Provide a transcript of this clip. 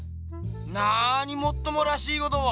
なにもっともらしいことを。